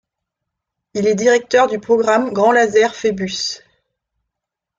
Il est directeur du programme grand laser Phébus.